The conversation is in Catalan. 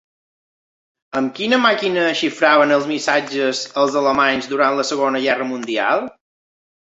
Amb quina màquina xifraven els missatges els alemanys durant la Segona Guerra Mundial?